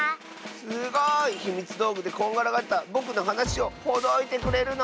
すごい！ひみつどうぐでこんがらがったぼくのはなしをほどいてくれるの？